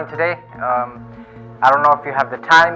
kita punya tiga hal yang mau kita jelaskan hari ini